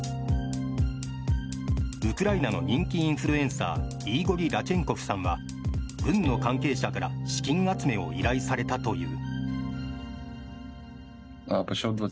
ウクライナの人気インフルエンサーイーゴリ・ラチェンコフさんは軍の関係者から資金集めを依頼されたという。